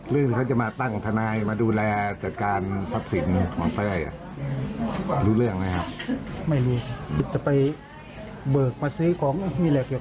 เรื่องที่เขาจะมาตั้งธนายมาดูแลตรีการทรัพย์ศิลป์ของเต้ย